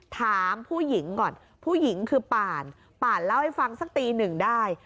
ถามผู้หญิงก่อนผู้หญิงคือป่านป่านเล่าให้ฟังสักตีหนึ่งได้